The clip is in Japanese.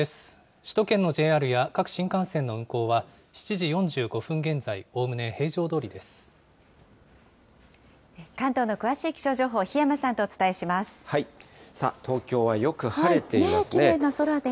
首都圏のＪＲや各新幹線の運行は、７時４５分現在、関東の詳しい気象情報、さあ、東京はよく晴れていまきれいな空で。